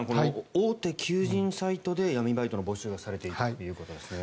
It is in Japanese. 大手求人サイトで闇バイトの募集がされていたということですね。